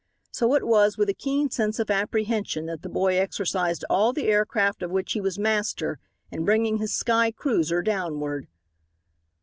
So it was with a keen sense of apprehension that the boy exercised all the air craft of which he was master in bringing his sky cruiser downward.